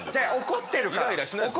怒ってるから。